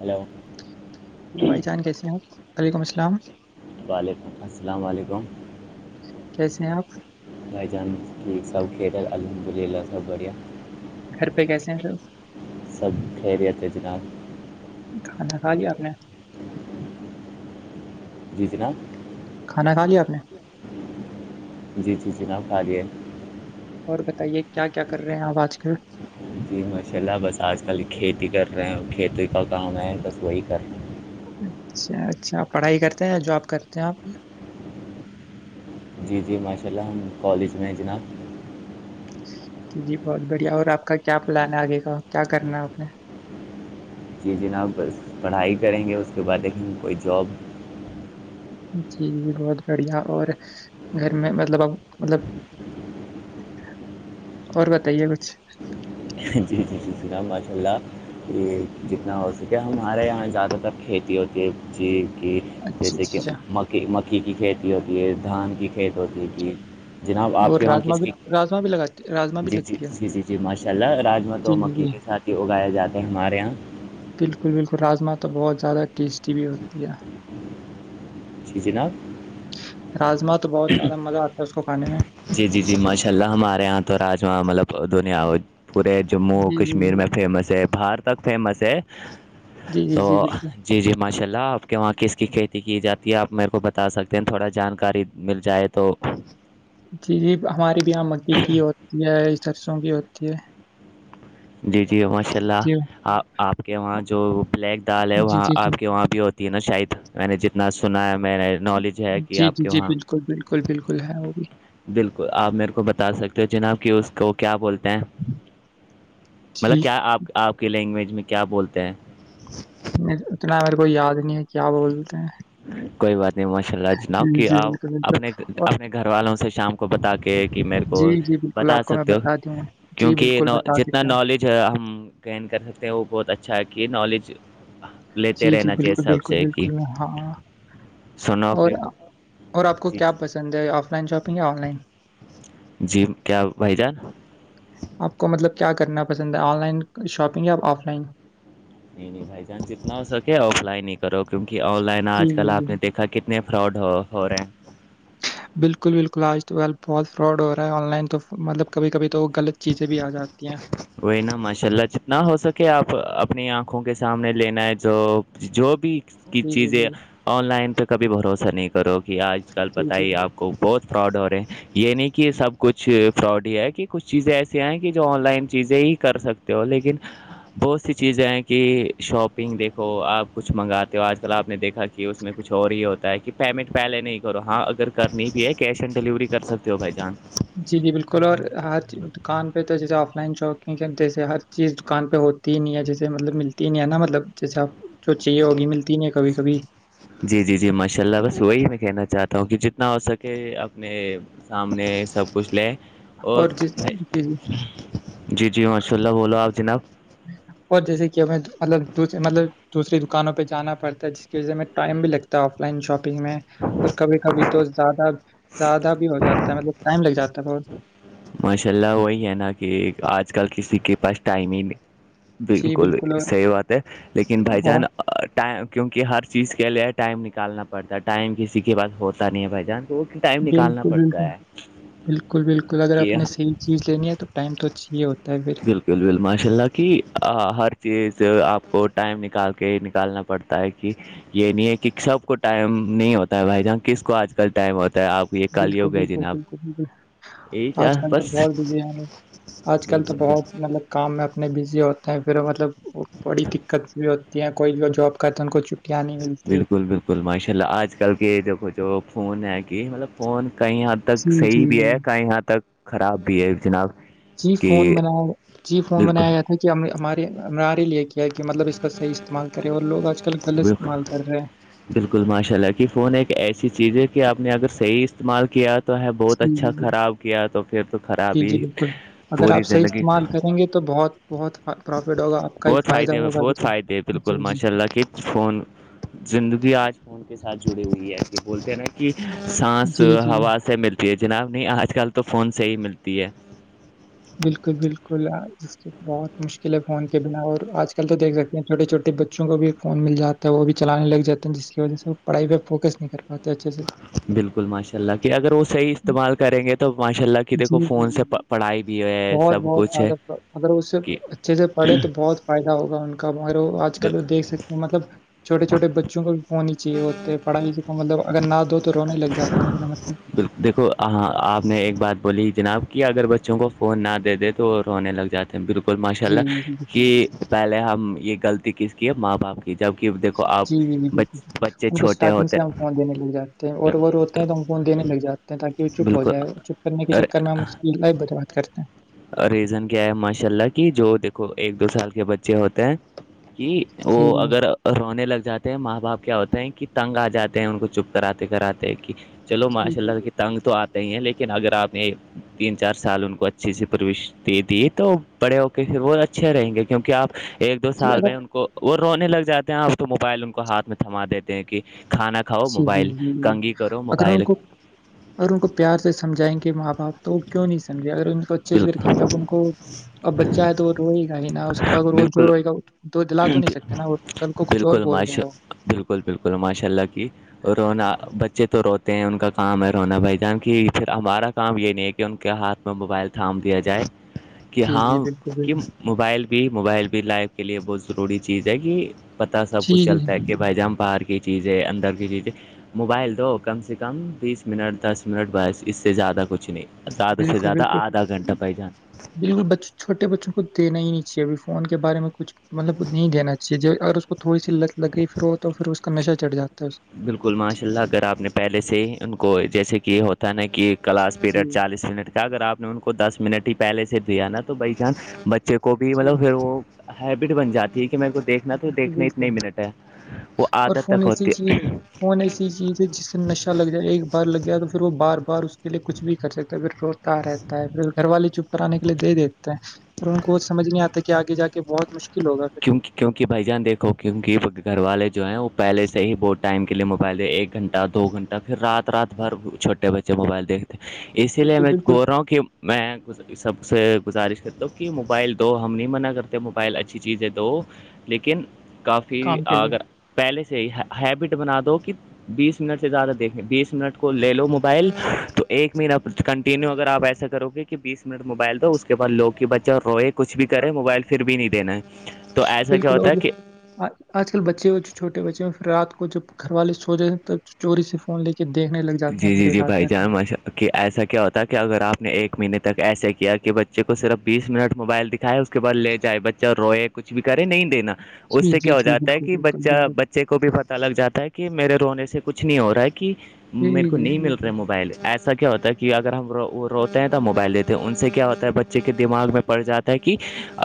Hello لو بھائی جان کیسے ہیں آپ وعلیکم السلام وعلیکم السلام علیکم کیسے ہیں آپ بھائی چانس کی سب کھیل ہے الحمد للہ سب بڑھیا گھر پہ کیسے ہیں سر سب خیریت ہے جناب کھانا کھا لیا آپ نے جی جناب کھانا کا لیا آپ نے جی جی جناب کہال ہے اور بتائیے کیا کیا کر رہے ہیں آپ آج کل جی ماشاء اللہ بس آج کل کھیتی کر رہے ہیں کھیتی کا کام ہے بس وہی کر رہے اچھا اچھا پڑھائی کرتے ہیں یا جاب کرتے ہیں آپ جی جی ماشاء اللہ ہم کالج میں ہیں جناب جی بہت بڑھیا اور آپ کا کیا پلان ہے آگے کا کیا کرنا آپ نے جی جناب پڑھائی کریں گے اس کے بعد ایکیں کوئی جاب جی جی بہت بڑھیا اور گھر میں مطلب اب مطلب اور بتائیے کچھ جی جی جی جی ر ماشاء اللہ یہ جتنا ہو سکے ہمارے یہاں زیادہ تر کھیتی ہوتی ہے جی کہ اچھا جیسے اچھا کہ اچھا مکی مکھی کی کھیتی ہوتی ہے دھان کی کھیتی ہوتی ہے کہ جناب آپ اور کے وہاں راجما کس بھی کی راجما بھی لگاتی راجما بھی جی جی لگتی ہے جی جی جی ماش راجمت اور جی جی مکی جی کے ساتھ ہی اگائے جاتے ہیں ہمارے یہاں بالکل بالکل راجما تو بہت زیادہ ٹیسٹی بھی ہوتی ہے جی جناب راما تو بہت زیادہ مزہ آتا ہے اس کو کھانے میں جی جی جی ماشاء اللہ ہمارے یہاں تو راجما مطلب دھنیا پورے جموں جی جی کشمیر میں فیمس ہے بار تک فیمس ہے جی، جی، تو جی، بالکل۔ جی جی ماشاء اللہ آپ کے وہاں کس کی کھیتی کی جاتی یہ آپ میرے کو بتا سکتے ہیں تھوڑا جانکاری مل جائے تو جی جی ہمارے بھی یہاں مکئی کی ہوتی ہے سرسوں کی ہوتی ہے جی جی ماشاء اللہ جی، آپ آپ کے وہاں جو بلیک دال ہے جی، وہاں جی، جی، آپ کے وہاں بھی ہوتی ت نا شاید میں نے جتنا سنا ہے میں نے نالج ہے کہ جی آپ جی کے جی وہاں بالکل بالکل بالکل ہے وہ بھی بالکل آپ میرے کو بتا سکتے ہو جناب کہ اس کو کیا بولتے ہیں مطلب جی، کیا آپ آپ کی لینگویج میں کیا بولتے ہیں اتنا میرے کو یاد نہیں ہے کیا بولتے ہیں کوئی بات نہیں ماشاء اللہ جناب جی، کہ جی، آپ بالکل، بالکل اپنے اور اپنے گھر والوں سے شام کو کو بتا کے کہ میرے کو جی، جی، بالکل بتا آپ کو میں سکتے ہو بتا دوں گا، جی، کیونکہ بالکل ن بتا جتنا سکتے ہیں ہم، نالج جو ہم گین کر سکتے ہیں وہ بہت اچھا کہ نالج لیتے جی، جی، رہنا چاہیے بالکل، حساب بالکل، سے کہ بالکل، ہاں سنو اور کہ اور آپ کو جی کیا پسند ہے آف لائن شاپنگ یا آن لائن جی کیا بھائی جان آپ کو مطلب کیا کرنا پسند ہے آن لائن شاپنگ یا آف لائن نہیں نہیں بھائی جان جتنا ہو سکے آف لائن ہی کرو کیونکہ آن لائن جی، آج جی، کل جی۔ آپ نے دیکھا کتنے فراڈ ہو ہو رہے ہیں بالکل بالکل آج تو آل بہت فراڈ ہو رہا ہے آن لائن تو مطلب کبھی کبھی تو غلط چیزیں بھی آ جاتی ہیں وہی نا ماشاء اللہ جتنا ہو سکے آپ اپنی آنکھوں کے سامنے لینا ہے جو جو بھی کی جی، جی، جی، چیزیں آن لائن پہ کبھی بھروسہ نہیں کرو گی آج کل جی، جی، بتائی آپ کو بہت پراؤڈ ہو رہ ہے یہ نہیں کہ سب کچھ فراڈ ہی ہے کہ کچھ چیزیں ایسسی ہیں کہ جو آن لائن چیزیں ہی کر سکتے ہو لیکن بہت سی چیزیں ہیں کہ شاپنگ دیکھو آپ کچھ منگاتے ہو آج کل آپ نے دیکھا کہ کہ اس میں کچھ اور یہ ہوتا ہے کہ پیمنٹ پہلے نہیں کرو ہاں اگر کرنی بھی ہے کیش آن ڈلیوری کر سکتے ت بھ جان جی جی بالکل اور ہاتر دکان پہ تو جیسے آف لائن شاپنگ کر جیسے ہر چیز دکان پہ ہوتی ہی نہیں ہے جیسے مطلب ملتی ہی نہیں ہے نا مطلب جیسے آپ جو چاہیے ہوگی ملتی نہیں کبھی کبھی جی جی جی ماشاء اللہ بس وہی میں کہنا چاہتا ہوں کہ جتنا ہو سکے اپنے سامنے سب کچھ لے اور جس جی، جی، جی جی ماشاء اللہ بولو آپ جناب اور جیسے کہ ہمیں مطلب دوسرے مطلب دوسری دکانوں پہ جانا پڑتا ہے جس کی وجہ ہم ٹائم بھی لگتا ہے آف لائن شاپنگ میں اور کبھی کبھی تو زیادہ زیادہ بھی ہو جاتا ہے مطلب ٹائم لگ جاتا ہے بہت ماشاء اللہ وہی ہے نا کہ اج کل کسی کے پاس ٹائم ہی جی، بالکل اور صحی بات ہے لیکن بھائی بہت جان ٹ کیونکہ ہر چیز کے لیے ٹائم نکالنا پڑتا ہے ٹائم کسی کے باس ہوتا نہیں ہے بھائی جان تو ٹائم نکالنا بالکل پڑتا بالکل ہے بالکل بالکل اگر کہ آپ نے صحیح چیز لینی ہے تو ٹائم تو اچھی ہی ہوتا ہے پھر بل بل ماشاء اللہ کی ہر چیز آپ کو ٹائم نکال کے ہی نکالنا پڑتا ہے کہ یہ نہیں ہے کہ سب کو ٹائم نہیں ہوتا ہے بھائی جہان کس کو آج کل ٹائم ہوتا ہے آپ کو بالکل بالکل بالکل بالکل یہی آج چاہ کل تو بس بہت بزی ہیں لوگ آج کل تو بالکل بہت مطلب کام میں اپنے بزی ہوتے ہیں پھر مطلب بڑی دقت بھی ہوتی ہے کوئی جو جاب کرتا ہیں ان کو چھٹیاں نہیں ملتی بالکل بالکل ماشاء اللہ آج کل کے دھو جو فون ہے کہ مطلب فون کہیں ہد تک جی صحیح جی بھی ہے کہیں ہد تک خراب بھی ہے جناب جی کہ فون بنایا جی فون بنایا بالکل گیا تھا کہ ہمارے ہمارے لیے کہ کیا کہ مطلب اس کا صحیح استعمال کرے اور لوگ آج کل گلت بالکل استعمال کر رہے بالکل ماشاء اللہ کہ فون ایک ایسی چیز ہے کہ آپ نے اگر صحیح استعمال کیا تو ہے بہت جی اچھا جی خراب کیا تو پھر تو خراب جی، جی، ہی بالکل۔ اگر پوری آپ صحیح زندگی استعمال کریں گے تو بہت پروفٹ ہوگا آپ کہی بہت فائدہ فائدے ہوگا بھی بہت تو فائدے بالکل جی، جی، ماشاء جی۔ اللہ کہ فون زندگی آج فون کے ساتھ جڑی ہوئی ہے کہ بولتے نہیں کہ سانس جی، جی، ہوا سے ملتی ہے جناب نہیں آج کل تو فون سے ہی ملتی ہے بالکل بالکل ج بہت مشکل ہے فون کے بنا اور آج کل تو دیکھ سکتے ہیں چوٹے چھوٹے بچوں کو بھی ایک فون مل جا تو وہ بھی چلانے لگ جاتے ہیں جس کی وجہ سے وہ پڑھائی پہوکس نہیں کر بہت اچھے سے بالکل ماشاء اللہ کہ اگر وہ صحیح استعمال کریں گے تو ماشاء اللہ کہ جی، دیکھو جی، فون جی، سے جی، پڑھائی بھی ہے بہت سب بہت کچھ ہے زیادہ اگر اس سے کہ اچھے سے پڑے تو بہت فائدہ ہوگا ان کو کار آج کل دیکھ سکتے ہیں مطلب چھوٹے چھوٹے بچوں کو بھی ہونی چاہیے ہوتے ہے پڑھائی کو مطلب اگر نہ دو تو رونے لگ جاتا ہے مطلب دیکھو ہاں آپ نے ایک بات بولی جناب کہ اگر بچوں کو فون نہ دے دے تو رونے لگ جاتے بالکل ماشاء جی، اللہ جی، جی، کہ پہلے ہم یہ غلطی کس کی ہے ماں باپ کے جی جی جی بالکل بچے ان کو چھوٹے اسٹارٹنگ ہوتے سے ہم س دینے لگ جاتے ہیں اور وہ رو تو ہم فون دینے لگ جاتے ہیں تاکہ وہ چپ ہو جائے بالکل اور چپ کرنے کے چکر میں ہم اس کی لائف برباد کرتے ہیں ریزن کیا ہے ماشاء اللہ کی جو دیکھو ایک دو سال کے بچے ہوتے ہیں کہ جی، وہ جی، اگر اور رونے لگ جاتے ہیں ماں باپ کیا ہوتے ہیں کہ تنگ آ جاتے ہیں ان کو چپ کراتے کراتے کہ چلو ماشاء جی، اللہ جی، کی تنگ تو آتے ہی ہیں لیکن اگر آپ نے تین چار سال ان کو اچ اچھی سے پروشتی دی تو بڑے ہو کے پھر وہ اچھے رہیں گے کیونکہ آپ ایک دو جی، سال اگر میں کو وہ رونے لگ جاتے ہیں اب تو موبائل ان کو ہاتھ میں تھما دیتے ہیں کہ کھانا کھاؤ جی جی موبائل جی جی کنگھی کرو اگر ان موبائل کو اگر ان کو پیار سے سمجائیں گے ماں باپ تو کیوں نہیں سمجھے اگر ان کو اچھے سے رکھیں گے بالکل اب ان کو اب بچہ ہے تو وہ روے گا ہی نا اس کا اگر وہ جو بالکل روے گا تو دلا تو نہیں سکتے نا اور کل کو کچھ اور بالکل بول ماشا دے وہ بالکل بالکل ماشاء اللہ کی رونا بچے تو روتے ہیں ان کا کام ہے رونا بھائی جانک پھر ہمارا کام یہ نہیں ہے کہ ان کے ہاتھ میں موبائل تھام دیا جائے کہ جی، ہاں جی، بالکل، کہ بالکل، موبائل بھی موبائل بھی لائف کے لیے بہت ضروری چیز ہے کہ پتہ سب جی، کچھ جی، چلتا ہے کہ بھائی جاں بہار کی چیزیں اندر کی چیزیں موبائل دو کم سے کم بیس منٹ دس منٹ بس اس سے زیادہ کچھ نہیں زیادہ سے بالکل، زیادہ بالکل۔ آدھا گھنٹہ بھائی جان بالکل بچ چھوٹے بچوں کو دینا ہی نہیں چاہیےبھی فون کے بارے میں کچھ مطلب نہیں دینا چاہیے جو اگر اس کو تھوڑی سی لت لگی پھر ہو تو پھر اس کا نشہ چڑھاتا ہے بالکل ماشاء اللہ اگر آپ نے پہلے سے ہی ان کو جیسے کہ یہ ہوتا نا کہ کلاس پیریڈ جی چالیس منٹ کا اگر آپ نے ان کو دس منٹ ہی پہلے سے دیا نا تو بھائی جان چالس بچے کو کو بھی جی مطلب پھر وہ ہیبٹ بن جاتی ہے کہ میں دیکھنا تو بالکل دیکھنا بالکل اتنی منٹ ہے وہ اور عادت فون تک ایسی ہوتی ہے فون ایسی چیز ہے جس سے نشہ لگ جائے ایک بار لگ گیا تو پھر وہ بار بار اس لیے کچھ بھی کر سکتا ہے پھر روتا رہتا ہےھر گھر والے چپ کرانے کے لیے دے دیتے ہیں اور ان کو وہ سمجھ نہیں آتا کہ آگے جا کے بہت مشکل ہوگا پھر کیونہ کیونکہ بھائی جان دیکو کیونکہ گھر والے جو ہیں وہ پہلے سے ہی بہت ٹائم کے لیے موبائلے ایک گھنٹہ دو گھنٹہ پھر رات رات بھر چھوٹے بچے موبائل دیکھتے ہیں اسی لیے بالکل میں بالکل بول رہا ہوں کہ میں سب سے گزارش کرتا ہوں کہ موبائل دو ہم نہیں منع کرتے موبائل اچھے چیزیں دو لیکن کافی کام کے لیے اگر پہلے سے ہی ہیبٹ بنا دو کہ بیس منٹ سے زیادہ دیکھیں بیس منٹ کو لے لو موبائل تو ایک مب کنٹینیو اگر آپ ایسا و گے کہ بیس منٹ موبائل دو اس کے بع لوگ کی بچہ اور روئے کچھ بھی کریں موبائل پھر بھی نہیں دینا ہے تو ایسا کیا بالکل ہوتا اور ہے کہ آ آج کل بچے بے چوٹے بچے ہیں پ رات کو جب گھر والے سو جے ہیں تب چوری سے فون لے کے دیکھنے لگ جاتے ہیں جی جی پوری جی رات بھائی بھر تک جان ماشا کہ ایسا کیا ہوتا ہے کہ اگر آپ نے ایک مہینے تک ایسے کیا کہ بچے کو صرف بیس منٹ موبائل دکھ کھائے اس کے بعد لے جائے بچہ روئے کچھ بھی کرے نہیں دینا اس جی سے جی کیا ہو جی جاتا ہے بالکل کہ بالکل بچہ بالکل بچے کے کو بھی پتا لگ جاتا ہے کہ میرے رونے سے کچھ نہیں ہو رہا ہے کہ جی میرے کو جی نہیں جی مل موبائل ایسا کیا ہوتا ہے کہ اگر ہم روتے ہیں تو موبائل دیتے ہیں ان سے کیا ہوتا ہے بچے کے دماغ میں پڑ جاتا کہ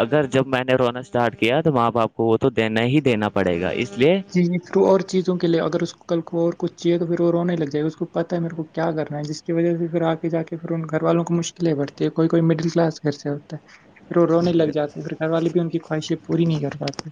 اگر جب میں نے رونا اسٹارٹ کیا تو وہاں باپ کو وہ تو دینا ہی دینا پڑے گا اس لیے جیھر اور چیزوں کے لیے اگر اس کو کل کو اور کچ چیے تو پھر وہ رونے لگ جائے گا اس کو پتا ہے میرے کو کیا کرنا ہے جس کی وجہ سے پھر آ کے جا کے پھر ان گھر والوں کو مشکلیں بڑتی ہے کوئی کوئی مڈل کلاس گھر سے ہو پھر وہ رونے لگ جاتے ہیں پھر گھر والے بھی ان کی خواہشیں پوری نہیں کر پاتے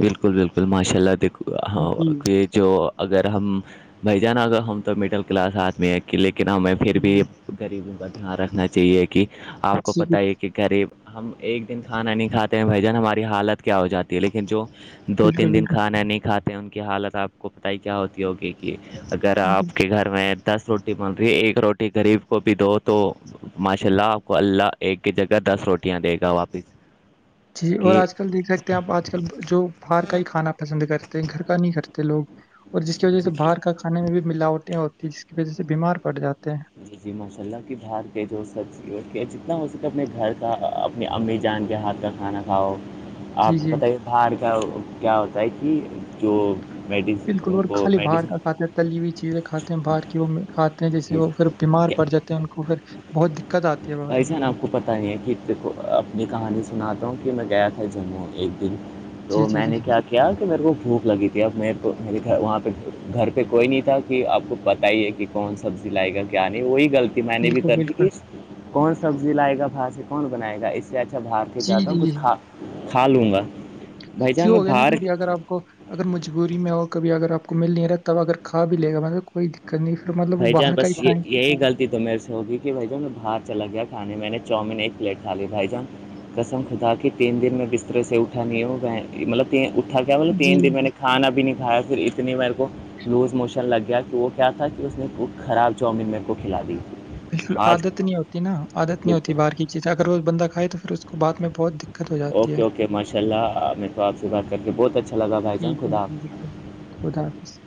بالکل بالکل ماشاء اللہ دیکھ جی ہ جو اگر ہم بھائی جان اگر ہم تو مڈل کلاس آدمی ہیں کہ لیکن ہمیں پھر بھی جی غریبوں کا دھیان رکھنا چاہیے کہ آپ کو پتہ جی ہے کہ غریب ہم ایک دن کھانا نہیں کھاتے ہیں بھائی جان ہماری حالت کیا ہو جاتی ہے لیکن جو دو بالکل تین دن کھانا نہیں کھاتے ہیں ان کی حالت آپ کو پتہ ہی کیا ہوتی ہوگی اگر بالکل آپ کے گھر میں دس روٹی بن رہی ہے ایک روٹی غریب کو بھی دو تو ماشاء اللہ آپ کو اللہ ایک کی جگہ دس روٹیاں دے گا واپس جی اور کہ آج کل دیکھ سکتے ہیں آپ آج کل جو باہر کا ہی کھانا پسند کرتے گھر کا نہیں کرتے لوگ اور جس کی وجہ سے باہر کا کھانے میں بھی ملاوٹیں ہوتی ہیں جس کی وجہ سے بیمار پڑ جاتے ہیں جی ماشاء اللہ کی باہر کے جو سبزی کے جتنا ہو سکے اپنے گھر اپنی امی جان کے ہاتھ کا کھانا کھاؤ آپ جی جی کو پت ہی ہاڑ کا کیا ہوتا ہے کہ جو میڈیس بالکل ان اور کو خالی باہار کا میڈیسن ساتھ تلی ہوئی چیزیں کھاتے ہیں باہر کی وہ کھاتے ہیں جس سے وہ پھر بیمار پڑ جاتے ہیں ان کو پھر بہت دقت آتی ہے بہت میں پسا ن آپ کو پتا پت یہ کہ کو اپنی کہانی سناتا ہوں کہ میں گیا تھا جنموں ایک دن جی تو جی میں جی نے کیا کیا کیا کہ میرے کو بھوک لگی تھی اب میرے کو میرے گھر وہاں پہ گھر پہ کوئی نہیں تھا کہ آپ کو بتائیے کہ کون سبزی لائے گ کیا نہیں وہی گلط معنی بھی بالکل کر دی بالکل کہ کون سبزی لائے گا بھ سے کون بنائے گا اس سے اچھا بھاگ کے جی جاتا ہوں جی کچھ کھا کھا لوں گا بھائی جان کیوں میں ہو گیا نا باہر کبھی اگر آپ کو اگر مجبوری میں ہو کبھی اگر آپ کو مل نہیں رہا تب اگر کھا بھی لے گا مطلب کوئی دقت نہیں پھر مطلب وہ بھائی جان باہر کا بس ہی یہ کھائیں گے۔ یہی غلطی تو میرے سے ہوگی دٹھے بھائی جان میں باہر چلا گیا کھانے میں نے چاومین ایک پلیٹ کھا لی بھائی جان کسم خدا کے تین دن میں بستر سے اٹھا نہیں ہوں مطلب اٹھا کیا بولے تین جی دن میں نے کھانا بھی نہیں کایا پھر اتنی میر کو لوز موشن لگ گیا کہ وہ کیا تھا کہ اس نے خراب چاؤمین میرے کو کھلا دی تھی بالکل عادت نہیں ہوتی نا عادت نہیں ہوتی باہر کی چیزیں اگر وہ بندہ کھائے تو پھر اس کو بد میں بہت دق اوکے اوکے ماشاء اللہ میرے کو آپ سے بات کر کے بہت اچھا لگا بھائی جی، جان جی، خدا جی، بالکل، خدا حافظ